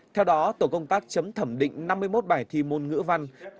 theo đó tổ công tác chấm thẩm định năm mươi một bài thi môn ngữ văn